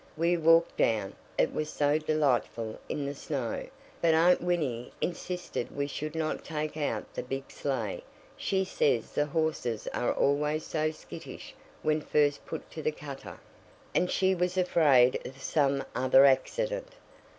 "We walked down, it was so delightful in the snow. But Aunt Winnie insisted we should not take out the big sleigh. She says the horses are always so skittish when first put to the cutter, and she was afraid of some other accident."